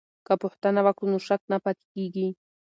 که پوښتنه وکړو نو شک نه پاتې کیږي.